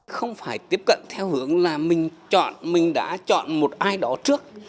không phải tiếp cận theo hướng là mình đã chọn một ai đó trước